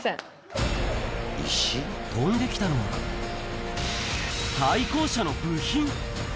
飛んできたのは、対向車の部品。